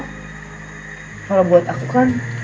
karena kalau buat aku kan